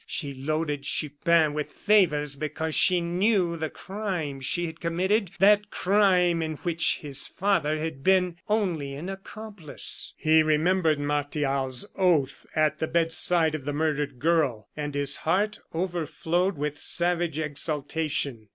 She loaded Chupin with favors because he knew the crime she had committed that crime in which his father had been only an accomplice." He remembered Martial's oath at the bedside of the murdered girl, and his heart overflowed with savage exultation.